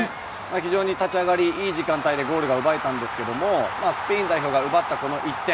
非常に立ち上がりいい時間帯でゴールが奪えたんですがスペイン代表が奪ったこの１点。